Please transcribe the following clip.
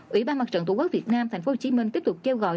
ủy ban mặt trận tổ quốc việt nam thành phố hồ chí minh tiếp tục kêu gọi